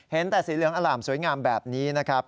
เห็นแต่สีเหลืองอล่ามสวยงามแบบนี้นะครับ